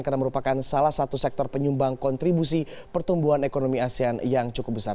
karena merupakan salah satu sektor penyumbang kontribusi pertumbuhan ekonomi asean yang cukup besar